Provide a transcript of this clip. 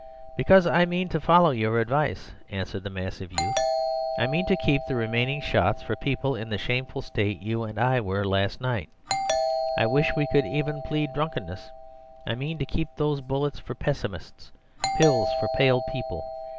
"'Because I mean to follow your advice,' answered the massive youth, 'I mean to keep the remaining shots for people in the shameful state you and I were in last night—I wish we could even plead drunkenness. I mean to keep those bullets for pessimists—pills for pale people.